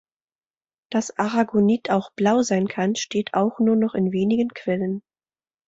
Dass Aragonit auch blau sein kann, steht auch nur noch in wenigen Quellen.